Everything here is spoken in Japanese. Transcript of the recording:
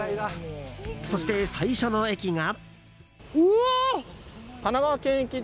そして最初の駅が。